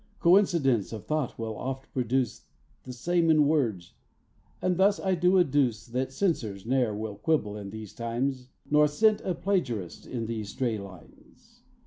Coincidence of thought will oft produce The same in words, and thus I do adduce That censors ne'er will quibble in these times, Nor scent a plagiarist in these stray lines.